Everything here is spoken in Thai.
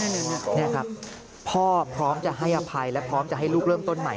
นี่ครับพ่อพร้อมจะให้อภัยและพร้อมจะให้ลูกเริ่มต้นใหม่